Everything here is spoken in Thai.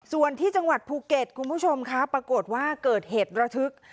ส่วนที่จังหวัดภูเก็ตคุณผู้ชมครับปรากฏว่าเกิดเหตุระทึก